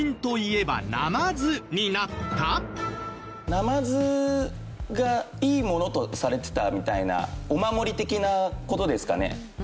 ナマズがいいものとされてたみたいなお守り的な事ですかね？